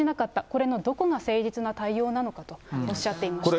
これのどこが誠実な対応なのかとおっしゃっていました。